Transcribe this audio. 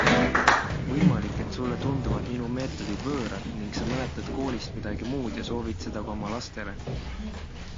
Võimalik, et sulle tunduvad minu meetodid võõrad ning sa mäletad koolist midagi muud ja soovid seda ka oma lastele.